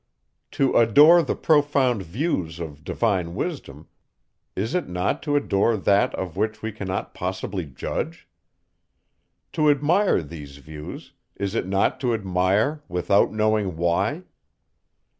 To adore the profound views of divine wisdom, is it not to adore that, of which we cannot possibly judge? To admire these views, is it not to admire without knowing why?